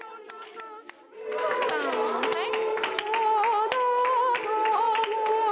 さんはい！